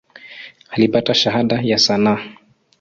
Alipata Shahada ya sanaa.